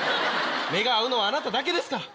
目が合うのはあなただけですから。